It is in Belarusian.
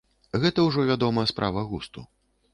Гэта ўжо, вядома, справа густу.